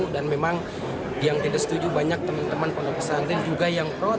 dan memang yang tidak setuju banyak teman teman pondok pesantren juga yang pro